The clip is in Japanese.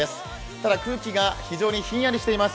ただ空気が非常にひんやりとしています。